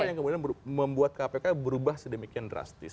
apa yang kemudian membuat kpk berubah sedemikian drastis